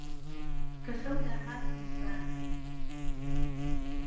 کە شەو داهات دیژبانی